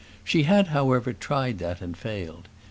She had, however, tried that and failed.